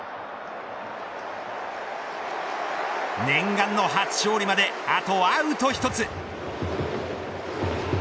念願の初勝利まであとアウト１つ。